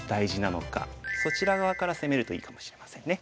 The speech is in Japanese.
そちら側から攻めるといいかもしれませんね。